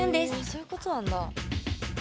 そういうことなんだ。